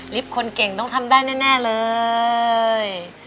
คนเก่งต้องทำได้แน่เลย